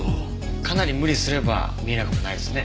かなり無理すれば見えなくもないですね。